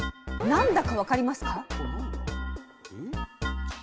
何だか分かりますか？